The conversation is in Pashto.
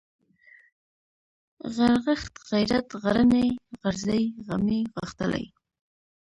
غرغښت ، غيرت ، غرنى ، غرزی ، غمی ، غښتلی